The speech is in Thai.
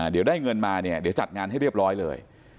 เดี๋ยวได้เงินมาเนี่ยเดี๋ยวจัดงานให้เรียบร้อยเลย